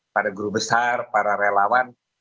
para guru besar para relawan